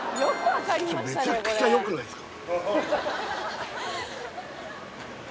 めちゃくちゃよくないっすか？